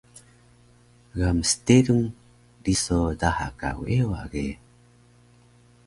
Ga msterung riso daha ka weewa ge